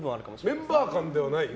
メンバー間ではない？